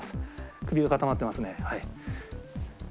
首が固まってますねはい。